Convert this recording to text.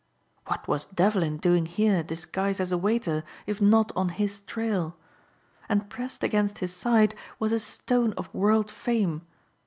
What was Devlin doing here disguised as a waiter if not on his trail? And pressed against his side was a stone of world fame.